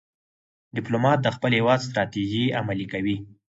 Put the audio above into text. ډيپلومات د خپل هېواد ستراتیژۍ عملي کوي.